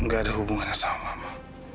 gak ada hubungannya sama mah